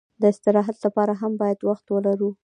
د استراحت لپاره هم باید وخت ولرو.